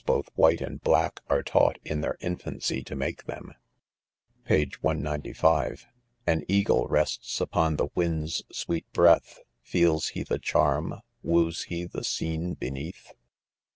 both white and black, are taught in their infancy to make them. Page 195. An eagle rests upon the wind^s sweet breath ! Feels he the charm ? woos he, ike scene beneath